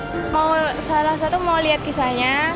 saya mau salah satu mau lihat kisahnya